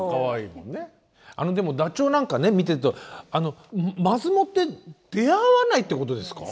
あのでもダチョウなんかね見てるとまずもって出会わないってことですか？